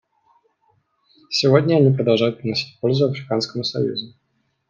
Сегодня они продолжают приносить пользу Африканскому союзу.